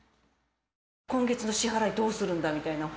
「今月の支払いどうするんだ」みたいな。